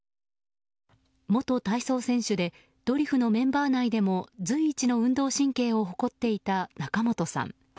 元体操選手で「ドリフ」のメンバー内でも随一の運動神経を誇っていた仲本さん。